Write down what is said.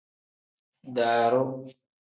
Daaru.